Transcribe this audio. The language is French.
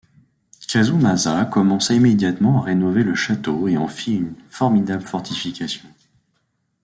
Kazumasa commença immédiatement à rénover le château et en fit une formidable fortification.